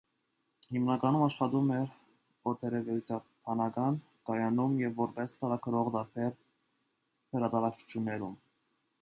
Հիմնականում աշխատում էր օդերևութաբանական կայանում և որպես լրագրող տարբեր հրատարակչություններում։